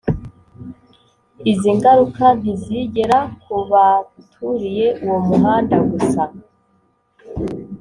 Izingaruka ntizigera ku baturiye uwo muhanda gusa